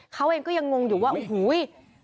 เขาเองก็ยังงงอยู่ว่าโอ้โห